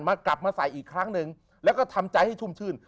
กลับมากลับมาใส่อีกครั้งหนึ่งแล้วก็ทำใจให้ชุ่มชื่น